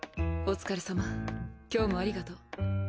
お疲れさま今日もありがとう。